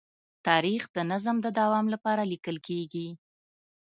تاریخ د نظم د دوام لپاره لیکل کېږي.